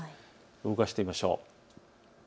動かしてみましょう。